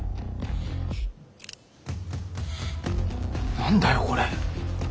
何だよこれ。